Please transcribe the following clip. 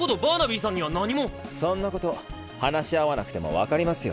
そんなこと話し合わなくても分かりますよ。